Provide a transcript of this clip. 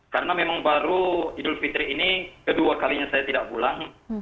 karena memang baru idul fitri ini kedua kalinya saya tidak pulang